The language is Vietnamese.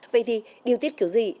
vậy thì điều tiết kiểu gì